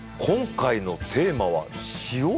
今回のテーマは「塩」？